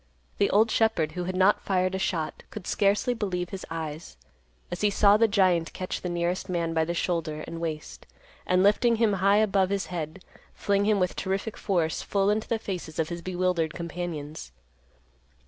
The old shepherd—who had not fired a shot—could scarcely believe his eyes, as he saw the giant catch the nearest man by the shoulder and waist, and, lifting him high above his head, fling him with terrific force full into the faces of his bewildered companions.